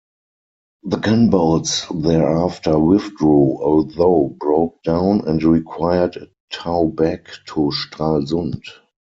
The gunboats thereafter withdrew, although broke down and required a tow back to Stralsund.